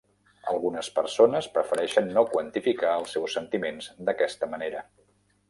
Algunes persones prefereixen no quantificar els seus sentiments d'aquesta manera.